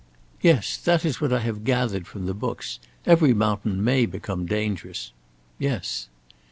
"Yes, that is what I have gathered from the books. Every mountain may become dangerous." "Yes."